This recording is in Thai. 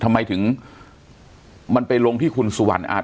ทำไมถึงมันไปลงที่คุณสุวรรณอาจ